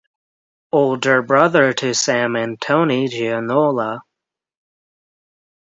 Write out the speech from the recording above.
Older brother to Sam and Tony Giannola.